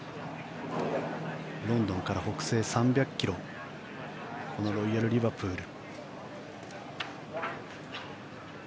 ロンドンから北西３００ｋｍこのロイヤル・リバプール。